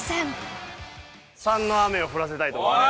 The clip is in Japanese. ３の雨を降らせたいと思います。